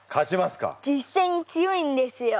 実戦に強いんですよ